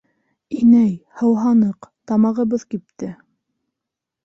— Инәй, һыуһаныҡ, тамағыбыҙ кипте.